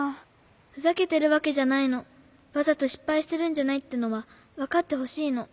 ふざけてるわけじゃないの。わざとしっぱいしてるんじゃないってのはわかってほしいの。